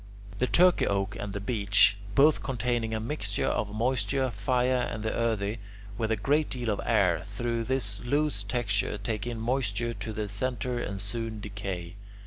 The Turkey oak and the beech, both containing a mixture of moisture, fire, and the earthy, with a great deal of air, through this loose texture take in moisture to their centre and soon decay.